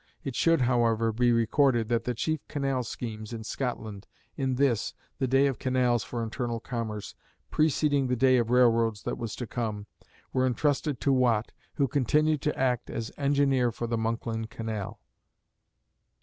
It should, however, be recorded that the chief canal schemes in Scotland in this, the day of canals for internal commerce, preceding the day of railroads that was to come, were entrusted to Watt, who continued to act as engineer for the Monkland Canal.